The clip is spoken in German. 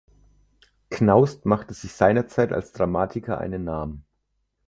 Knaust machte sich seinerzeit als Dramatiker einen Namen.